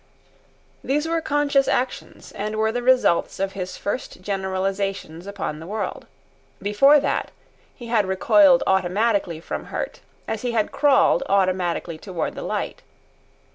These were conscious actions, and were the results of his first generalisations upon the world. Before that he had recoiled automatically from hurt, as he had crawled automatically toward the light.